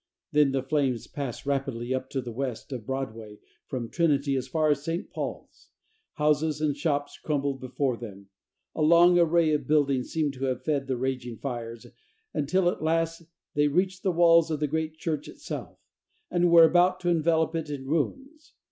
Then the flames passed rapidly up to the west of Broadway from Trinity as far as St. Paul's; houses and shops crumbled before them; a long array of buildings seem to have fed the raging fires, until at last they reached the walls of the great church itself, and were about to envelop it in ruins.